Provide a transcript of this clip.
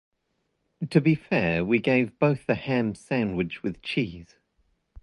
To be fair, we gave both a ham sandwich with cheese.